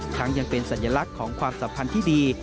ยังเป็นสัญลักษณ์ของความสัมพันธ์ที่ดี